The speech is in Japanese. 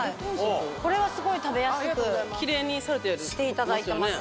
これはすごい食べやすくしていただいてますね。